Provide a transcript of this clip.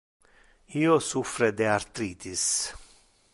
Io suffre de arthritis.